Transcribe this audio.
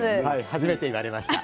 初めて言われました。